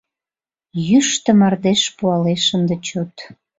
Йӱштӧ мардеж пуалеш ынде чот